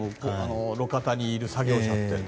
路肩にいる作業車。